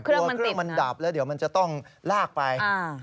กลัวเครื่องมันดับแล้วเดี๋ยวมันจะต้องลากไป